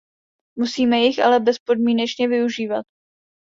Musíme jich ale bezpodmínečně využívat.